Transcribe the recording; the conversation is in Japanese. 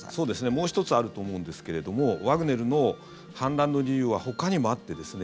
もう１つあると思うんですけどもワグネルの反乱の理由はほかにもあってですね